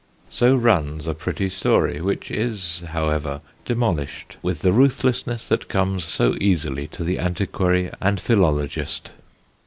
So runs a pretty story, which is, however, demolished with the ruthlessness that comes so easily to the antiquary and philologist.